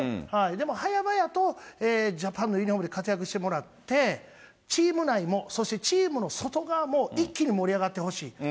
でもはやばやとジャパンのユニホームで活躍してもらって、チーム内も、そしてチームの外側も一気に盛り上がってほしい。